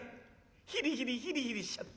ヒリヒリヒリヒリしちゃ。